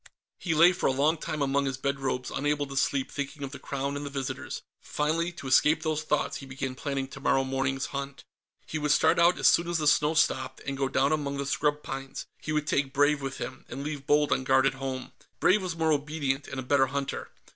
He lay for a long time among his bed robes, unable to sleep, thinking of the Crown and the visitors. Finally, to escape those thoughts, he began planning tomorrow morning's hunt. He would start out as soon as the snow stopped, and go down among the scrub pines; he would take Brave with him, and leave Bold on guard at home. Brave was more obedient, and a better hunter.